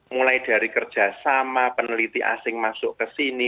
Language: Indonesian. mulai dari kerja sama peneliti asing masuk ke sini